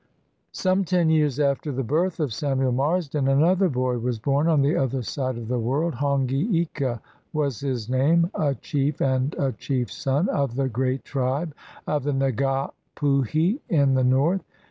Some ten years after the birth of Samuel Marsden another boy was born on the other side of the world. Hongi Ika was his name, a chief and a chief's son of the great tribe of the Nga Puhi in the north.